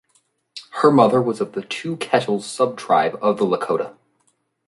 Her mother was of the Two Kettles subtribe of the Lakota.